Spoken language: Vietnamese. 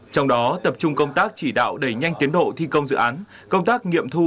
trong đó tập trung công tác chỉ đạo đẩy nhanh tiến độ thi công dự án công tác nghiệm thu